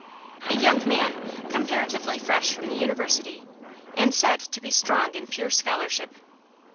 A young man, comparatively fresh from the university, and said to be strong in pure scholarship.